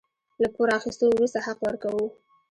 له پور اخيستو وروسته حق ورکوو.